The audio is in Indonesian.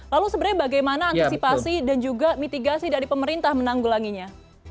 lalu sebenarnya bagaimana antisipasi dan juga mitigasi dari pemerintah menanggulanginya